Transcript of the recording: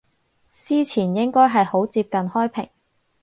司前應該係好接近開平